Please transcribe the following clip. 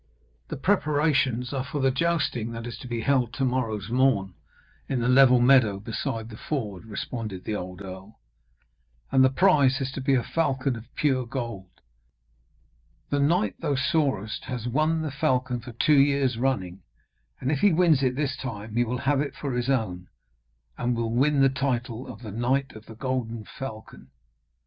'The preparations are for the jousting that is to be held to morrow's morn in the level meadow beside the ford,' responded the old earl. 'And the prize is to be a falcon of pure gold. The knight thou sawest has won the falcon two years running, and if he wins it this time he will have it for his own, and will win the title of the Knight of the Golden Falcon.